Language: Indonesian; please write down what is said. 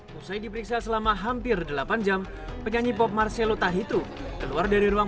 hai saya diperiksa selama hampir delapan jam penyanyi pop marcelo tah itu keluar dari ruang